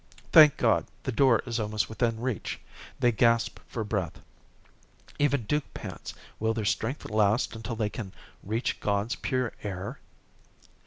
Thank God, the door is almost within reach. They gasp for breath. Even Duke pants. Will their strength last until they can reach God's pure air?